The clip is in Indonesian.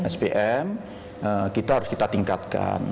spm kita harus kita tingkatkan